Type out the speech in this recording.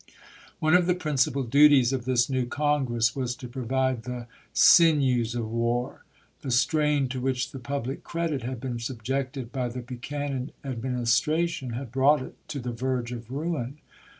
One of the principal duties of this new Congress was to provide the " sinews of war." The strain to which the public credit had been subjected by the Buchanan Administration had brought it to the verge of ruin.